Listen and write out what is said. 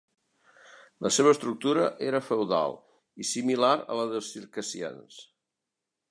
La seva estructura era feudal i similar a la dels circassians.